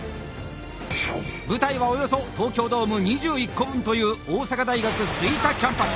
舞台はおよそ東京ドーム２１個分という大阪大学吹田キャンパス！